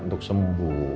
untuk menjaga elsa